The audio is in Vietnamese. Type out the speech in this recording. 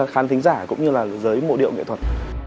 khán thính giả cũng như là giới mộ điệu nghệ thuật